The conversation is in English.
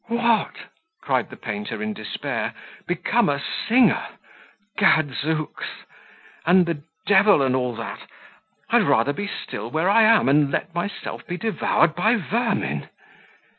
"What!" cried the painter, in despair, "become a singer? Gadzooks! and the devil and all that! I'll rather be still where I am, and let myself be devoured by vermin."